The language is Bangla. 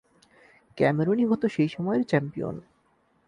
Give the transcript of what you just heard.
ক্যামেরুনই হতো সেই সময়ের চ্যাম্পিয়ন।